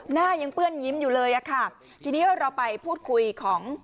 หน้ายังเปื้อนยิ้มอยู่เลยอะค่ะทีนี้เราไปพูดคุยของ